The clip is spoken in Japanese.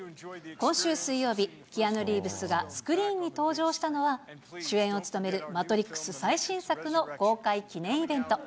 今週水曜日、キアヌ・リーブスがスクリーンに登場したのは、主演を務めるマトリックス最新作の公開記念イベント。